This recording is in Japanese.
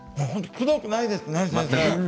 くどくないですね、先生。